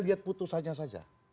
lihat putusannya saja